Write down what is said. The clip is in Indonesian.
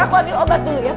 aku ambil obat dulu ya pak